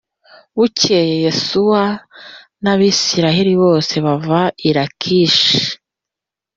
Bukeye Yosuwa n Abisirayeli bose bava i Lakishi